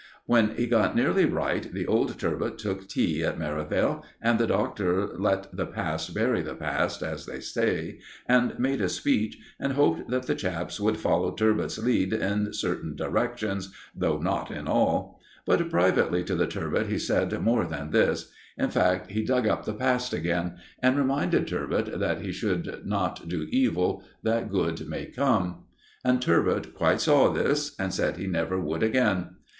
When he got nearly right, the old "Turbot" took tea at Merivale, and the Doctor let the past bury the past, as they say, and made a speech, and hoped that the chaps would follow "Turbot's" lead in certain directions, though not in all. But privately to the "Turbot" he said more than this. In fact, he dug up the past again, and reminded "Turbot" that he should not do evil that good may come. And "Turbot" quite saw this, and said he never would again.